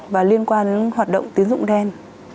và liên quan đến hoạt động tiến dụng đen